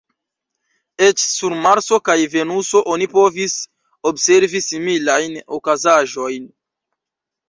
Eĉ sur Marso kaj Venuso oni povis observi similajn okazaĵojn.